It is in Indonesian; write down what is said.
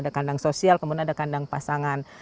ada kandang sosial kemudian ada kandang pasangan